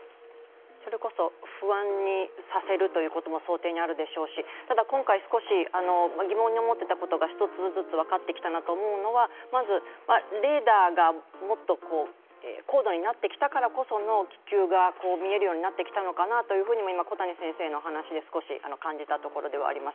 それこそ不安にさせるということも想定にあるでしょうし、ただ今回少し疑問に思っていたことが一つずつ分かってきたなと思うのはまず、レーダーがもっと高度になってきたからこその気球が見えるようになってきたのかなというふうにも小谷先生のお話で感じたところであります。